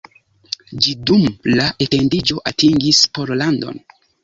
Ĝi dum la etendiĝo atingis Pollandon.